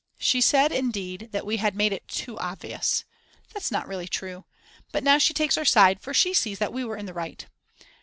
She said, indeed, that we had made it too obvious. That's not really true. But now she takes our side, for she sees that we were in the right.